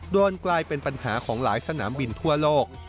กลายเป็นปัญหาของหลายสนามบินทั่วโลก